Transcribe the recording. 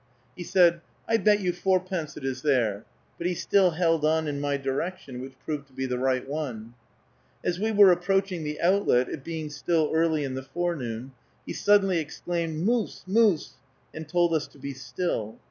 He said, "I bet you four pence it is there," but he still held on in my direction, which proved to be the right one. As we were approaching the outlet, it being still early in the forenoon, he suddenly exclaimed, "Moose! moose!" and told us to be still.